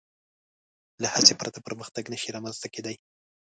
له هڅې پرته پرمختګ نهشي رامنځ ته کېدی.